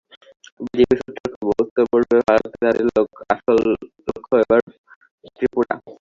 BJP সূত্রের খবর, উত্তর পূর্ব ভারতে তাদের আসল লক্ষ্য এবার ত্রিপুরা।